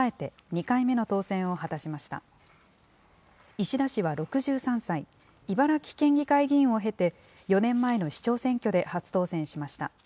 石田氏は６３歳、茨城県議会議員を経て、４年前の市長選挙で初当選しました。